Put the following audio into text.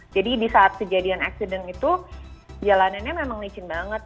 jadi di saat kejadian accident itu jalanannya memang licin banget